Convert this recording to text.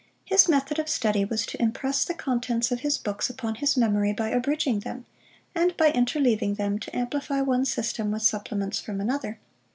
His method of study was to impress the contents of his books upon his memory by abridging them, and by interleaving them, to amplify one system with supplements from another.